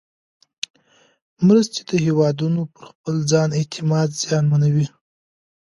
مرستې د هېوادونو پر خپل ځان اعتماد زیانمنوي.